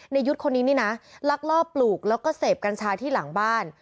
ยุทธ์คนนี้นี่นะลักลอบปลูกแล้วก็เสพกัญชาที่หลังบ้าน